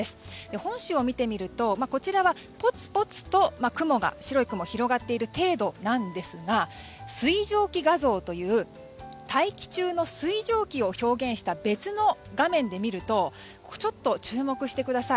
本州を見てみると、こちらはぽつぽつと白い雲が広がっている程度なんですが水蒸気画像という大気中の水蒸気を表現した別の画面で見るとちょっと注目してください。